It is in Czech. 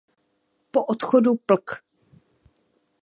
Po odchodu plk.